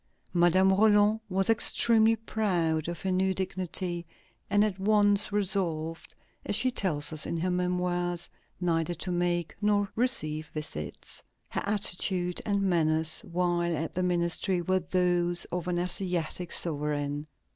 Madame Roland was extremely proud of her new dignity, and at once resolved, as she tells us in her Memoirs, neither to make nor receive visits. Her attitude and manners while at the ministry were those of an Asiatic sovereign.